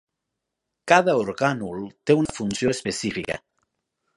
Cada orgànul té una funció específica.